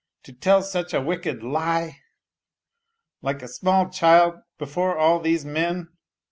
to tell such a wicked ... lie ?... Like a small child ... before all these men.